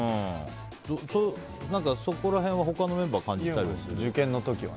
そこら辺は他のメンバー感じたりしないの？